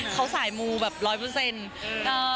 เขาสายมูแบบร้อยเปอร์เซ็นต์